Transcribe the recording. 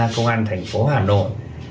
công an thành phố hà nội